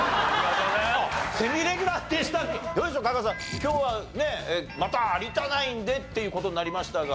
今日はねまた有田ナインでっていう事になりましたが。